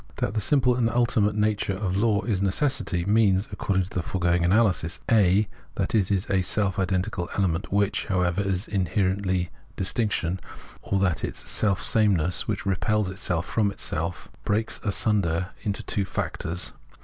That the simple and ultimate nature of law is necessity means, according to the foregoing analysis, (a) that it is a self identical element, which, however, is inherently distinction ; or that it is selfsameness which repels itself from itself, breaks asunder into two factors.